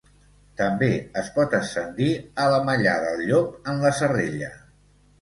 També es pot ascendir a la Mallà del Llop en la Serrella.